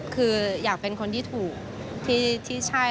คืออยากเป็นคนที่ถูกที่ใช่